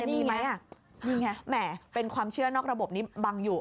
อันนี้ไงเป็นความเชื่อนอกระบบนี้บังอยู่